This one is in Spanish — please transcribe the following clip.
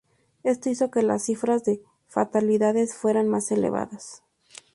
Esto hizo que las cifras de fatalidades fueran más elevadas.